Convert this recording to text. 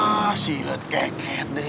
ya silet keket deh